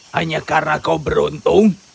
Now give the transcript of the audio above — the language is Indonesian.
hanya karena kau beruntung